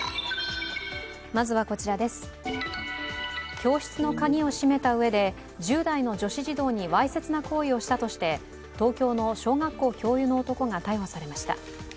教室の鍵を閉めたうえで１０代の女子児童にわいせつな行為をしたとして東京の小学校教諭の男が逮捕されました。